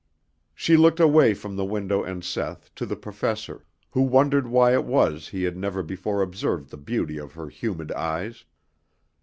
She looked away from the window and Seth to the Professor, who wondered why it was he had never before observed the beauty of her humid eyes.